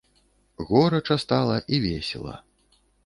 Горача стала і весела.